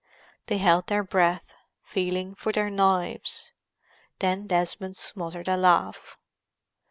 They held their breath, feeling for their knives. Then Desmond smothered a laugh.